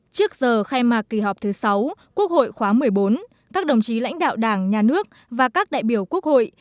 trước giờ khai mạc kỳ họp thứ sáu quốc hội khóa một mươi bốn các đồng chí lãnh đạo đảng nhà nước và các đại biểu quốc hội